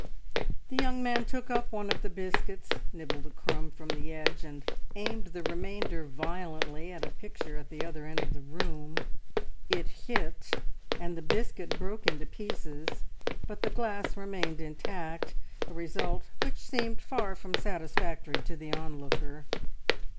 The young man took up one of the biscuits, nibbled a crumb from the edge, and aimed the remainder violently at a picture at the other end of the room. It hit, and the biscuit broke into pieces, but the glass remained intact, a result which seemed far from satisfactory to the onlooker.